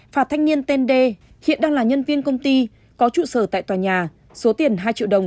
phạt thanh niên tên d hiện đang là nhân viên công ty có trụ sở tại tòa nhà số tiền hai triệu đồng